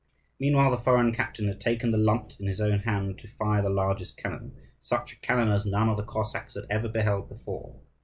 Meanwhile the foreign captain had taken the lunt in his own hand to fire the largest cannon, such a cannon as none of the Cossacks had ever beheld before.